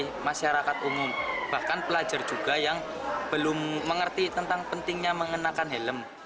dari masyarakat umum bahkan pelajar juga yang belum mengerti tentang pentingnya mengenakan helm